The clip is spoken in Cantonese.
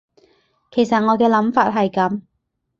其實我嘅諗法係噉